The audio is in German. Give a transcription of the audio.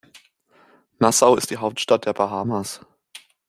Nassau ist die Hauptstadt der Bahamas.